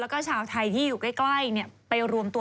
แล้วก็ชาวไทยที่อยู่ใกล้ไปรวมตัวที่นั่นกันเยอะ